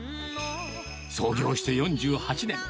創業して４８年。